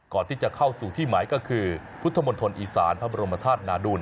ก่อนที่จะเข้าสู่ที่หมายก็คือพุทธมณฑลอีสานพระบรมธาตุนาดูล